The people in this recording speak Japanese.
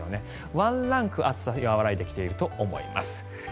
ワンランク暑さが和らいできていると思います。